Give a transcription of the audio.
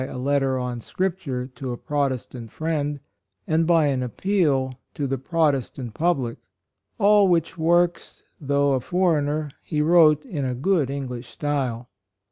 133 " a letter on scripture to a Protest ant friend," and by "an appeal to the Protestant public;" all which works, though a foreigner, he wrote in a good English style.